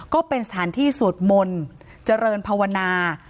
ก็เป็นสถานที่ส่วนศัพท์มนตร์เจริญภาวนา